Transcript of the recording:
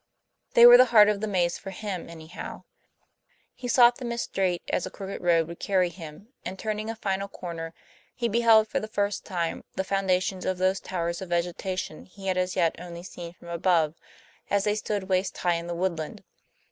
They were the heart of the maze for him, anyhow; he sought them as straight as a crooked road would carry him; and, turning a final corner, he beheld, for the first time, the foundations of those towers of vegetation he had as yet only seen from above, as they stood waist high in the woodland.